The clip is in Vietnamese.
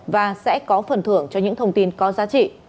và sẽ có phần thưởng cho những thông tin có ra